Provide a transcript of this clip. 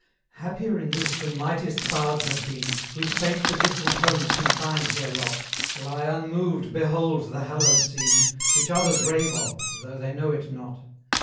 Happier in this than mightiest bards have been, Whose fate to distant homes confined their lot, Shall I unmoved behold the hallowed scene, Which others rave of, though they know it not?